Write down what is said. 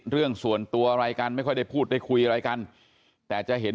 เรื่องส่วนตัวอะไรกันไม่ค่อยได้พูดได้คุยอะไรกันแต่จะเห็น